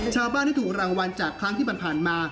ชาวบ้านที่ถูกรางวัลจากครั้งที่ผ่านมา